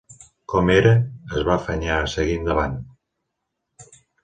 Com era, es va afanyar a seguir endavant.